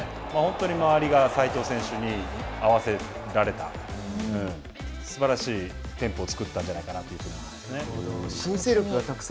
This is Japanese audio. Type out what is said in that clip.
本当に周りが齋藤選手に合わせられてすばらしいテンポを作ったんじゃないかなと思いますね。